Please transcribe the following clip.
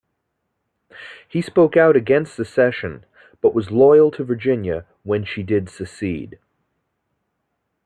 He spoke out against secession, but was loyal to Virginia when she did secede.